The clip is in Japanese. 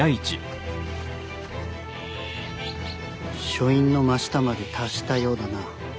書院の真下まで達したようだな。